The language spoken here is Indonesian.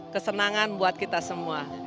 kesenangan buat kita semua